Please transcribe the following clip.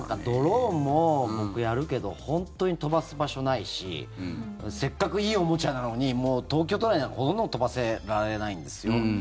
ドローンも僕、やるけど本当に飛ばす場所ないしせっかくいいおもちゃなのに東京都内なんて、ほとんど飛ばせられないんですよ。